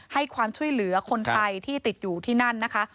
ให้ความช่วยเหลือคนไทยที่ติดอยู่ที่นั่นนะคะ